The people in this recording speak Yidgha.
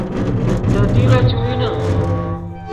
دے تیرو چے وینے